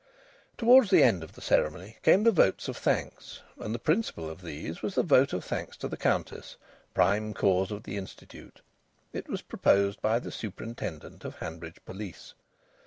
Towards the end of the ceremony came the votes of thanks, and the principal of these was the vote of thanks to the Countess, prime cause of the Institute. It was proposed by the Superintendent of the Hanbridge Police.